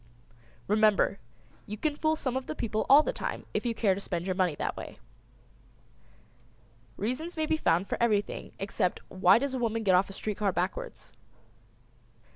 "] Remember you can fool some of the people all the time if you care to spend your money that way. Reasons may be found for everything except why does a woman get off a street car backwards.